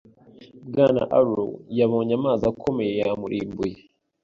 Bwana Arrow yabonye amazi akomeye yamurimbuye.